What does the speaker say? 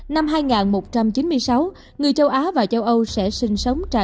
năm hai nghìn một trăm chín mươi sáu người châu á và châu âu sẽ sinh sống trài